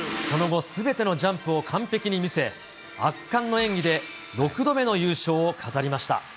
その後、すべてのジャンプを完ぺきに見せ、圧巻の演技で６度目の優勝を飾りました。